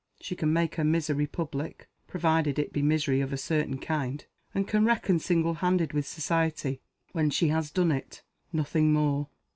She can make her misery public provided it be misery of a certain kind and can reckon single handed with Society when she has done it. Nothing more.